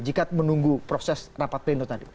jika menunggu proses rapat pleno tadi